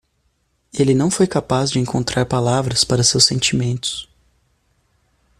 Ele não foi capaz de encontrar palavras para seus sentimentos.